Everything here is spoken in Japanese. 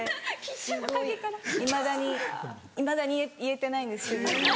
すごいいまだにいまだに言えてないんです主人に。